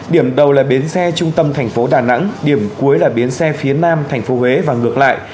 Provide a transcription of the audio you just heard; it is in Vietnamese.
điểm đầu là bến xe trung tâm thành phố đà nẵng điểm cuối là bến xe phía nam thành phố huế và ngược lại